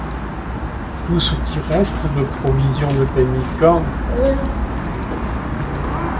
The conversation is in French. Tout ce qui reste de provision de pemmican !